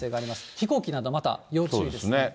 飛行機などまた要注意ですね。